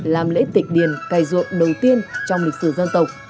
làm lễ tịch điền cài ruộng đầu tiên trong lịch sử dân tộc